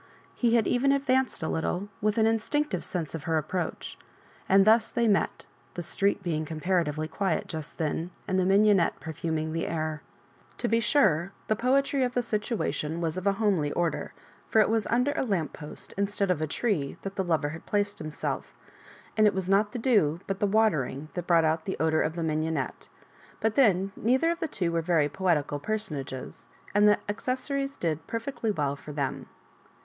He had even advanced a little, with an instinctive sense of her approach; andjthus they met, the street being comparatively quiet just then, and the mignonette perfuming the air. To be sure, the poetry of the situation was of a homely order, for it was under a lamp post in stead of a tree that the lover had placed himself; and it was not the dew, but the watering, that brought out the odour of the mignonette ; but then neither of the two were very poetical per sonages, and the accessories did perfectly well for them.